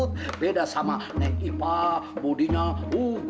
tidak tidak tidak